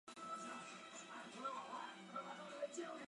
希腊字母源自腓尼基字母。